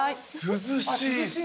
涼しいね